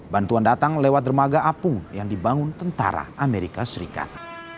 bantuan datang lewat dermaga apung yang dibangun tentara amerika serikat